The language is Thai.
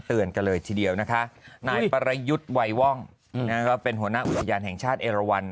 เวินกันเลยทีเดียวนะนายปารยุทธ์วัยว่อมนะเหมือนอย่างแห่งชาติเอระวัน